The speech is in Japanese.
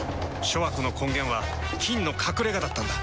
諸悪の根源は「菌の隠れ家」だったんだ。